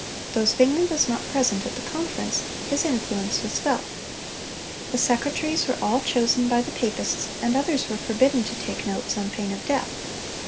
Though Zwingle was not present at the conference, his influence was felt. The secretaries were all chosen by the papists, and others were forbidden to take notes, on pain of death.